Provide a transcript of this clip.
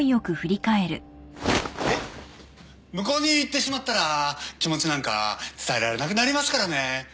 「向こうに行ってしまったら気持ちなんか伝えられなくなりますからね」